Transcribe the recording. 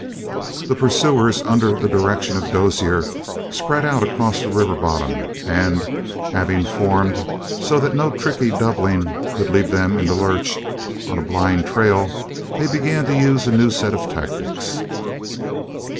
The pursuers, under the direction of Dozier, spread across the river bottom and, having formed so that no tricky doubling could leave them in the lurch on a blind trail, they began to use a new set of tactics.